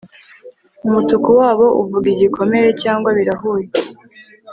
umutuku wabo uvuga igikomere cyanjye, birahuye